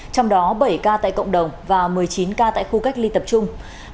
trong đó bảy ca tại cộng đồng và một mươi chín ca tại khu cách ly tập trung